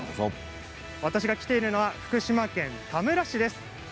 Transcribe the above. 私が来ているのは福島県田村市です。